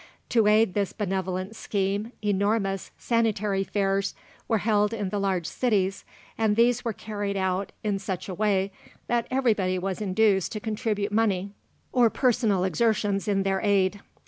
To aid this benevolent scheme, enormous "Sanitary Fairs" were held in the large cities, and these were carried out in such a way that everybody was induced to contribute money or personal exertions in their aid.